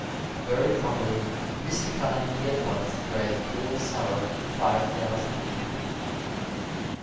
Very properly Mr. Carnegie at once raised Bill's salary five thousand a year.